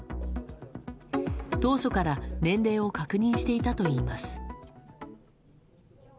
当初から年齢を確認していたといいます。